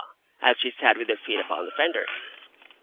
as she sat with her feet upon the fender.